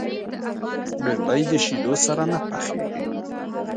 بېنډۍ د شیدو سره نه پخېږي